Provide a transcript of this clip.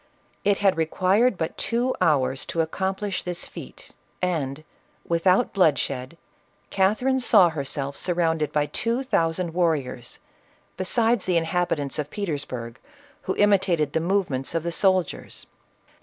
It had required but two hours to ac complish this feat, and, without bloodshed, Catherine saw herself surrounded by two thousand warriors, be sides the inhabitants of Petersburg, who imitated the movements of the soldiers.